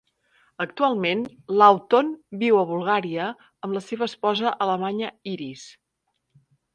Actualment Lawton viu a Bulgària amb la seva esposa alemanya Iris.